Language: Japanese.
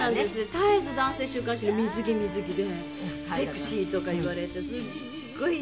絶えず男性週刊誌で水着水着でセクシーとか言われてすっごい嫌だったんですよ